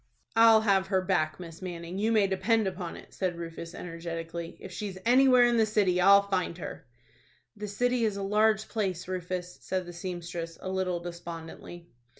"I'll have her back, Miss Manning, you may depend upon it," said Rufus, energetically. "If she's anywhere in the city I'll find her." "The city is a large place, Rufus," said the seamstress, a little despondently.